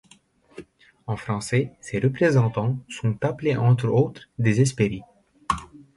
En français, ses représentants sont appelés entre autres des hespéries.